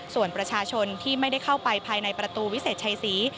ส่วนประชาชนที่ไม่ได้เข้าไปภายในประตูวิเศษชัยศรี